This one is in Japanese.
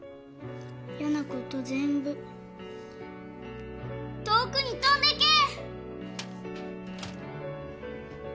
嫌なこと全部遠くに飛んでけ！！